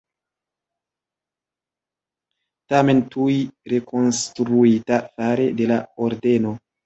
Tamen tuj rekonstruita fare de la Ordeno.